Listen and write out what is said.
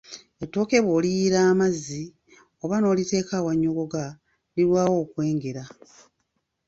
Ettooke bwoliyiira amazzi, oba n'oliteeka awannyogoga, lilwaawo okwengera.